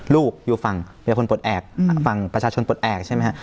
อยู่ฝั่งเมียพลปลดแอบฝั่งประชาชนปลดแอบใช่ไหมฮะ